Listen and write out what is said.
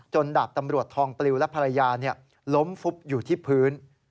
ดาบตำรวจทองปลิวและภรรยาล้มฟุบอยู่ที่พื้น